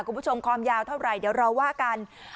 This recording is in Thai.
คุณผู้ชมคอมยาวเท่าไหร่เดี๋ยวเราว่ากัน